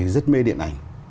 rất mê điện ảnh